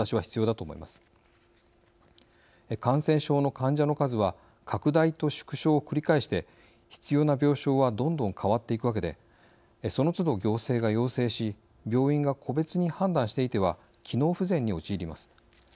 感染症の患者の数は拡大と縮小を繰り返して必要な病床はどんどん変わっていくわけでそのつど行政が要請し病院が個別に判断していては機能不全に陥ります。